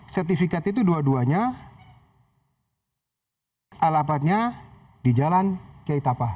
sertifikat itu dua duanya alapatnya di jalan kiai tapa